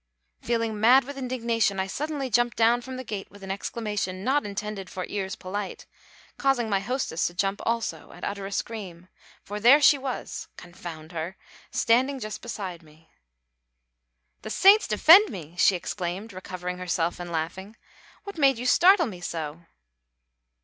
Feeling mad with indignation, I suddenly jumped down from the gate with an exclamation not intended for ears polite, causing my hostess to jump also and utter a scream; for there she was (confound her!) standing just behind me. "The Saints defend me!" she exclaimed, recovering herself and laughing; "what made you startle me so?"